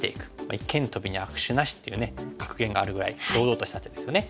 「一間トビに悪手なし」っていう格言があるぐらい堂々とした手ですよね。